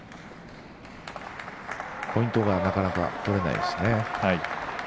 ポイントがなかなか取れないです。